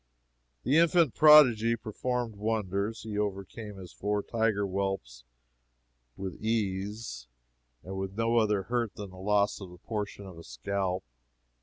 "The Infant Prodigy performed wonders. He overcame his four tiger whelps with ease, and with no other hurt than the loss of a portion of his scalp.